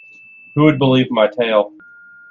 Who would believe my tale?